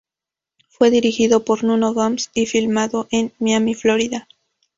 Fue dirigido por Nuno Gomes y filmado en Miami, Florida.